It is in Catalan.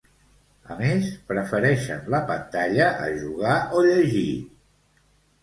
A més, prefereixen la pantalla a jugar o llegir.